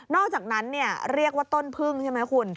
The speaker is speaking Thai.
อกจากนั้นเรียกว่าต้นพึ่งใช่ไหมคุณ